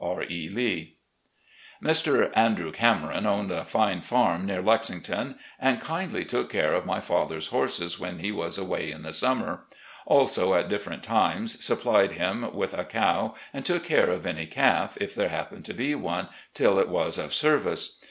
R. E. Lee," Mr. Andrew Cameron owned a fine farm near Lexing ton, and kindly took care of my father's horses when he was away in the summer; also at different times supplied him with a cow and took care of any calf, if there happened to be one, till it was of service.